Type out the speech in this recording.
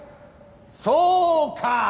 そうか！